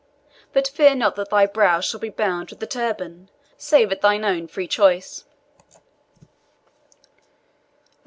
But fear not that thy brows shall be bound with the turban, save at thine own free choice."